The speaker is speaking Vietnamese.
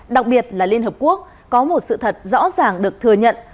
đặc biệt là liên hợp quốc có một sự thật rõ ràng được thừa nhận